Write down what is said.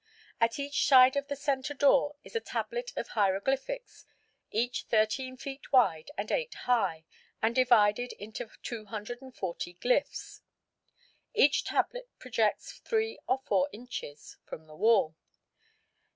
At each side of the centre door is a tablet of hieroglyphics, each 13 feet wide and 8 high, and divided into 240 glyphs. Each tablet projects three or four inches from the wall.